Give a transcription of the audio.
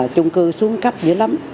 chung cư xuống cấp dữ lắm